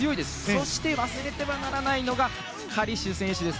そして、忘れてはならないのがカリシュ選手です。